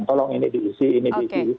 tolong ini diisi ini diisi